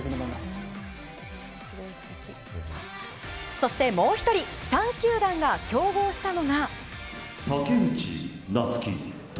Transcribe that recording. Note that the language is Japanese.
そしてもう１人３球団が競合したのが。